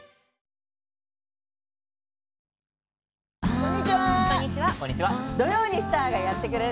こんにちは。